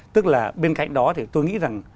tức là bên cạnh đó thì tôi nghĩ rằng